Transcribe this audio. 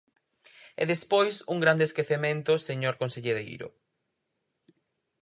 E, despois, un grande esquecemento, señor conselleiro.